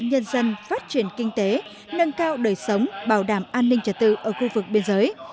nhân dân phát triển kinh tế nâng cao đời sống bảo đảm an ninh trật tự ở khu vực biên giới